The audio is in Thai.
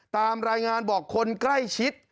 ตามรายงานบอกคนใกล้ชิด